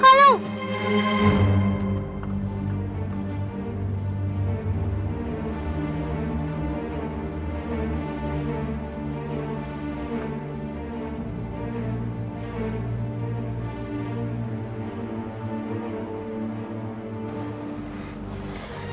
aku ingin mengalungnya